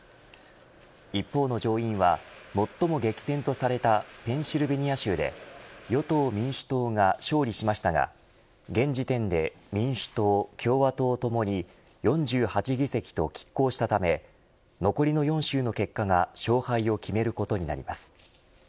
一方の上院は最も激戦とされたペンシルベニア州で与党・民主党が勝利しましたが現時点で民主党共和党ともに４８議席と拮抗したため残りの４州の結果が勝敗を決めることになります。